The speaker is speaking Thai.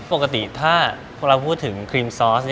ปกติถ้าพวกเราพูดถึงครีมซอส